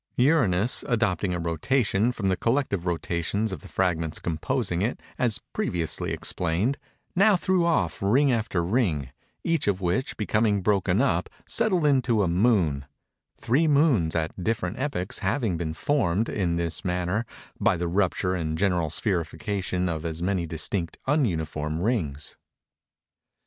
Uranus, adopting a rotation from the collective rotations of the fragments composing it, as previously explained, now threw off ring after ring; each of which, becoming broken up, settled into a moon:—three moons, at different epochs, having been formed, in this manner, by the rupture and general spherification of as many distinct ununiform rings.